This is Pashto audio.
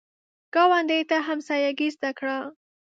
ګاونډي ته همسایګي زده کړه